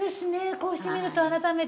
こうして見ると改めて。